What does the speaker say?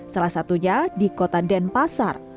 salah satunya di kota denpasar